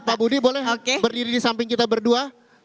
pak budi boleh berdiri di samping kita berdua